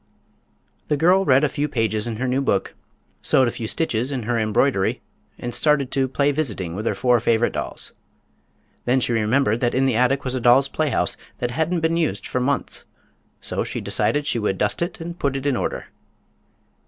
The little girl read a few pages in her new book, sewed a few stitches in her embroidery and started to "play visiting" with her four favorite dolls. Then she remembered that in the attic was a doll's playhouse that hadn't been used for months, so she decided she would dust it and put it in order.